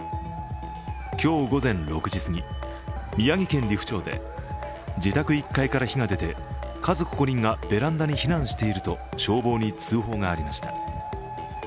今日午前６時すぎ、宮城県利府町で自宅１階から火が出て家族５人がベランダに避難していると消防に通報がありました。